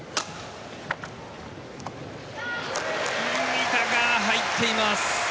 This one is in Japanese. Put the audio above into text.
見たが入っています。